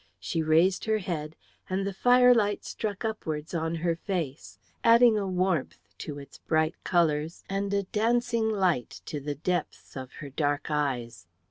She raised her head, and the firelight struck upwards on her face, adding a warmth to its bright colours and a dancing light to the depths of her dark eyes.